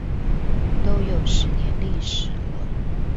都有十年歷史了